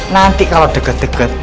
nanti kalau deket deket